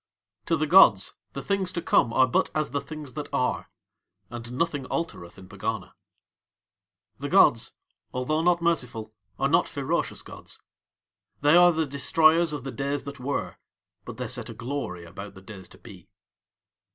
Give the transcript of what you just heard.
To the gods the Things to Come are but as the Things that Are, and nothing altereth in Pegana. The gods, although not merciful, are not ferocious gods. They are the destroyers of the Days that Were, but they set a glory about the Days to Be.